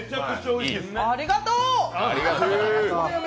ありがとう！